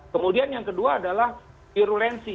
kemudian yang kedua adalah virulensi